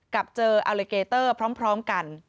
กับเจออัลลิเกเตอร์พร้อมกัน